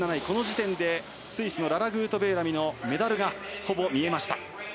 この時点でスイスのララ・グートベーラミのメダルがほぼ見えました。